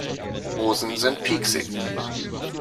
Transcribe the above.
Rosen sind pieksig.